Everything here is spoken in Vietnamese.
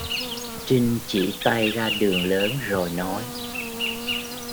Trinh chỉ tay ra đường lớn rồi nói